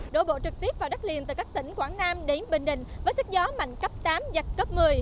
đổ bộ trực tiếp vào đất liền từ các tỉnh quảng nam đến bình định với sức gió mạnh cấp tám giật cấp một mươi